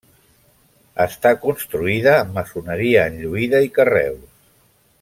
Està construïda amb maçoneria enlluïda i carreus.